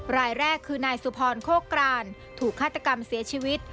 รายแรกคือนายสุพรโคกรานถูกฆาตกรรมเสียชีวิต